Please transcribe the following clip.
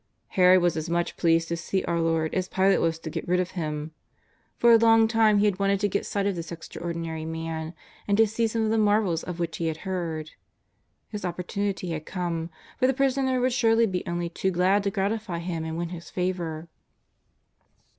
Herod was as much pleased to see our Lord as Pilate was to get rid of Him. For a long time he had wanted to get a sight of this extraordinary Man, and to see some of the marvels of which he had heard. His oppor tunity had come, for the Prisoner would surely be only too glad to gratify him and wdn his favour.